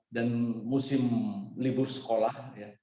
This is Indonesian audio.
dan musim libur sekolah